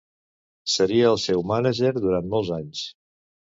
Seria el seu mànager durant molts anys.